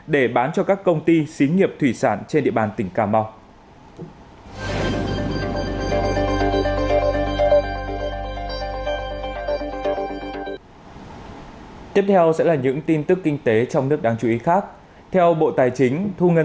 để bán cho các công ty xí nghiệp thủy sản trên địa bàn tỉnh cà mau